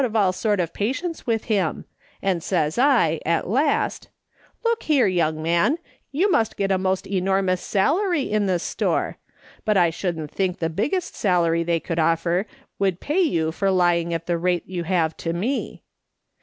of all sort of patience with him, and says I, at last, ' Look here, young man, you must get a most enormous salary in this store ; but I shouldn't think the biggest salary they could offer would pay you for lying at the rate you have to me.'